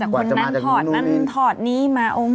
กว่าจะมาจากคนนั้นถอดนั้นถอดนี้มาโอง